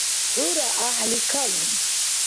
ХӀура гӀяхӀли кален!